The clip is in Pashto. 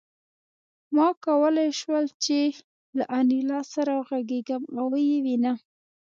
ما کولای شول چې له انیلا سره وغږېږم او ویې وینم